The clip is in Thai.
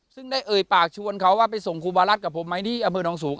ซึ่งได้เอ่ยปากชวนเขาว่าไปส่งครูบารัฐกับผมไหมที่อำเภอน้องสูง